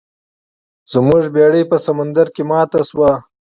زموږ بیړۍ په سمندر کې ماته شوه.